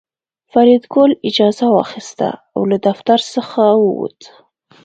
فریدګل اجازه واخیسته او له دفتر څخه ووت